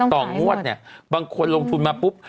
ต่องงวดบางคนลงทุนมาปุ๊บ